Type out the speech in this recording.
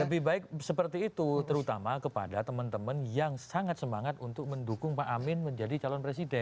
lebih baik seperti itu terutama kepada teman teman yang sangat semangat untuk mendukung pak amin menjadi calon presiden